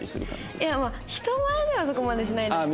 いやまあ人前ではそこまでしないですけど。